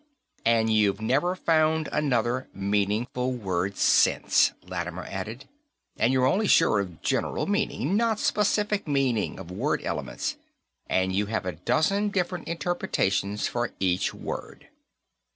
"And you've never found another meaningful word since," Lattimer added. "And you're only sure of general meaning, not specific meaning of word elements, and you have a dozen different interpretations for each word."